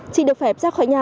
chỉ được phép ra khỏi nhà